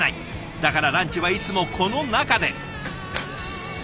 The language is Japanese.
だからランチはいつもこの中で。